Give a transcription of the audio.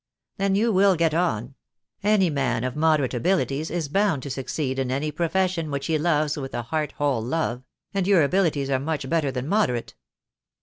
"Then you will get on. Any man of moderate abilities is bound to succeed in any profession which he loves with a heart whole love; and your abilities are much better than moderate."